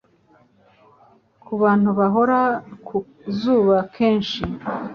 ku bantu bahora ku zuba kenshi